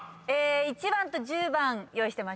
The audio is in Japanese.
１番と１０番用意してました。